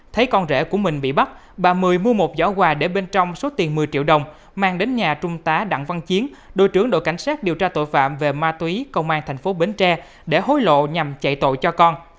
thấy con rễ của mình bị bắt bà mười mua một giỏ quà để bên trong số tiền một mươi triệu đồng mang đến nhà trung tá đặng văn chiến đội trưởng đội cảnh sát điều tra tội phạm về ma túy công an thành phố bến tre để hối lộ nhằm chạy tội cho con